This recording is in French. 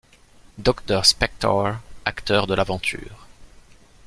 Dr Spektor acteur de l’aventure.